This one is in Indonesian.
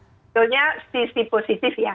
sebenarnya sisi positif ya